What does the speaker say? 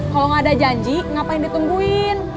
kalo ga ada janji ngapain ditungguin